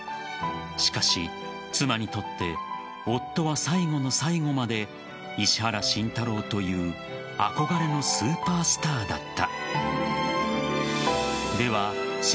しかし、妻にとって夫は最後の最後まで石原慎太郎という憧れのスーパースターだった。